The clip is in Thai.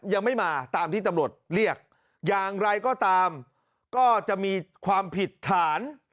ยังไม่มาตามที่ตำรวจเรียกอย่างไรก็ตามก็จะมีความผิดฐาน